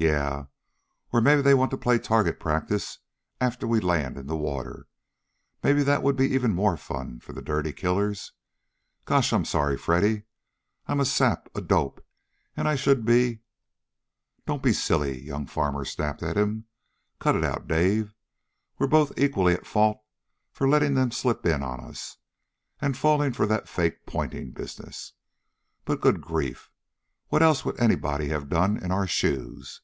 "Yeah! Or maybe they want to play target practice after we land in the water. Maybe that would be even more fun for the dirty killers. Gosh, I'm sorry, Freddy. I'm a sap, a dope, and I should be " "Don't be silly!" young Farmer snapped at him. "Cut it out, Dave! We're both equally at fault for letting them slip in on us, and falling for that fake pointing business. But, good grief! What else would anybody have done in our shoes?